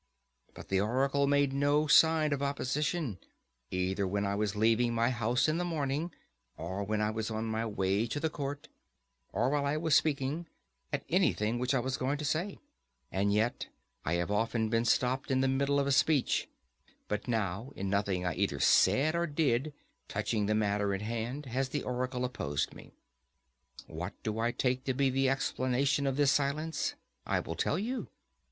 But the oracle made no sign of opposition, either when I was leaving my house in the morning, or when I was on my way to the court, or while I was speaking, at anything which I was going to say; and yet I have often been stopped in the middle of a speech, but now in nothing I either said or did touching the matter in hand has the oracle opposed me. What do I take to be the explanation of this silence? I will tell you.